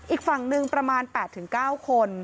อีกฝั่งหนึ่งประมาณ๘๙คน